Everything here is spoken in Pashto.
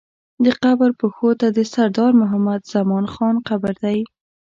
د قبر پښو ته د سردار محمد زمان خان قبر دی.